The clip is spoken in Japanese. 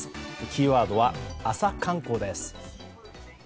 キーワードは朝観光です。